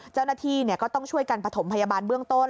เจ้าหน้าที่ก็ต้องช่วยกันประถมพยาบาลเบื้องต้น